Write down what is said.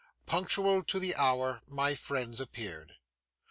Punctual to the hour, my friends appeared.